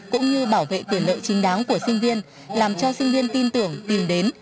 cũng như bảo vệ quyền lợi chính đáng của sinh viên làm cho sinh viên tin tưởng tìm đến